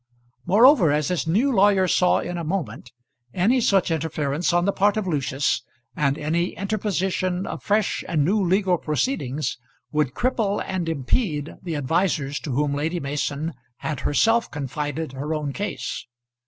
Moreover, as this new lawyer saw in a moment, any such interference on the part of Lucius, and any interposition of fresh and new legal proceedings would cripple and impede the advisers to whom Lady Mason had herself confided her own case.